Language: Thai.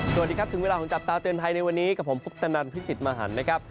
สวัสดีครับถึงเวลาของจับตาเตือนภัยในวันนี้กับผมพุทธนันพิสิทธิ์มหันนะครับ